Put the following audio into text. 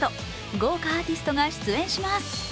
豪華アーティストが出演します。